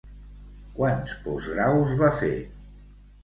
Quants postgraus va fer?